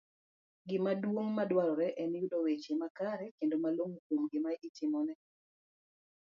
Gima duong ' madwarore en yudo weche makare kendo malong'o kuom gima itimone